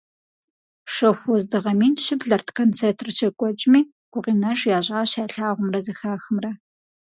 Шэху уэздыгъэ мин щыблэрт концертыр щекӀуэкӀми, гукъинэж ящӀащ ялъагъумрэ зэхахымрэ.